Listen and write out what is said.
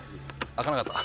開かなかった。